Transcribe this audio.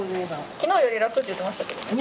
昨日より楽って言ってましたけどね。